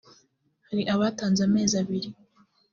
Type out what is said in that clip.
Hari abatanze amezi abiri